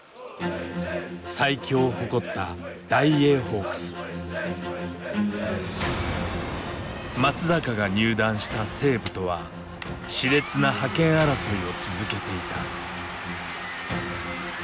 最強を誇った松坂が入団した西武とはしれつな覇権争いを続けていた。